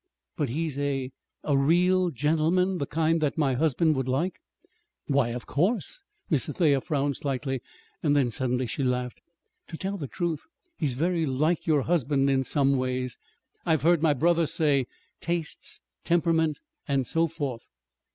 "But he's a a real gentleman, the kind that my husband would like?" "Why, of of course!" Mrs. Thayer frowned slightly; then, suddenly, she laughed. "To tell the truth he's very like your husband, in some ways, I've heard my brother say tastes, temperament, and so forth."